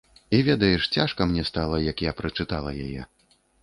І, ведаеш, цяжка мне стала, як я прачытала яе.